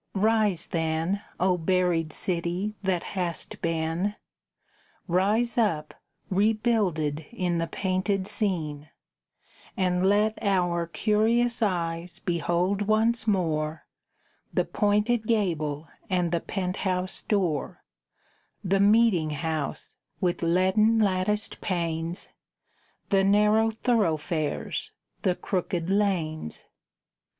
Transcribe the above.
Rise, then, O buried city that hast been; Rise up, rebuilded in the painted scene, And let our curious eyes behold once more The pointed gable and the pent house door, The meeting house with leaden latticed panes, The narrow thoroughfares, the crooked lanes!